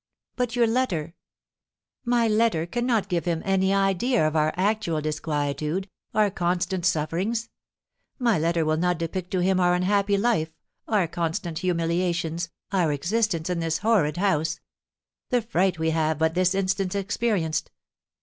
"But your letter " "My letter cannot give him any idea of our actual disquietude, our constant sufferings; my letter will not depict to him our unhappy life, our constant humiliations, our existence in this horrid house, the fright we have but this instant experienced.